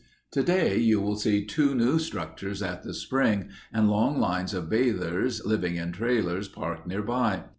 Today you will see two new structures at the spring and long lines of bathers living in trailers parked nearby.